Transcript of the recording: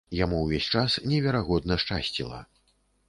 Яму ўвесь час неверагодна шчасціла.